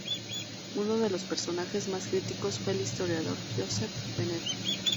Uno de los personajes más críticos fue el historiador Josep Benet.